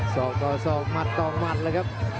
สองต่อสองหมันต่อหมันแล้วครับ